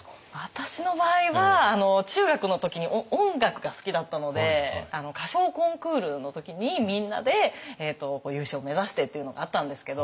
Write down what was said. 私の場合は中学の時に音楽が好きだったので歌唱コンクールの時にみんなで優勝目指してっていうのがあったんですけど。